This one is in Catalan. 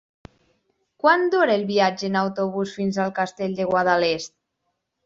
Quant dura el viatge en autobús fins al Castell de Guadalest?